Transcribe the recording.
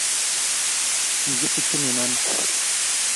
Kigisikchinin ano?